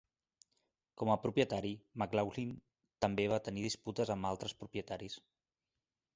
Com a propietari, McLaughlin també va tenir disputes amb altres propietaris.